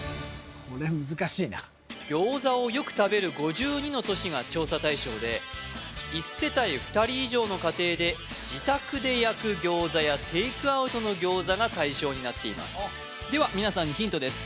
これ難しいな餃子をよく食べる５２の都市が調査対象で１世帯２人以上の家庭で自宅で焼く餃子やテイクアウトの餃子が対象になっていますでは皆さんにヒントです